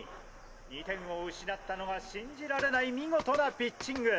２点を失ったのが信じられない見事なピッチング！